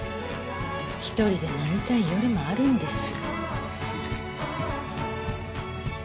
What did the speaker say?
一人で飲みたい夜もあるんです。